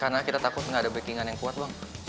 karena kita takut ga ada backing an yang kuat bang